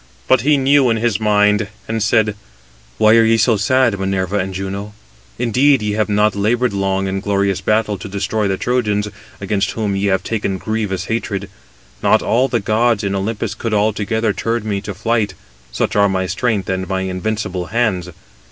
But he knew in his mind, and said: "Why are ye so sad, Minerva and Juno? Indeed, ye have not laboured long in glorious battle to destroy the Trojans, against whom ye have taken grievous hatred. Not all the gods in Olympus could altogether turn me to flight, such are my strength and my invincible hands.